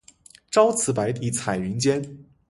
朝辞白帝彩云间